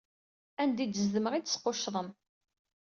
Anda i d-zedmeɣ i d-tesquccḍem.